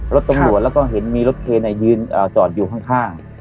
รถตำรวจแล้วก็เห็นมีรถเคนยืนจอดอยู่ข้าง